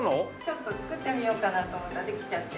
作ってみようかなと思ったらできちゃって。